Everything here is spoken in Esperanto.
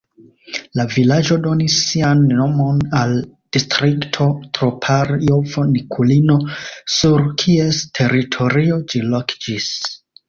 La vilaĝo donis sian nomon al distrikto Troparjovo-Nikulino, sur kies teritorio ĝi lokiĝis.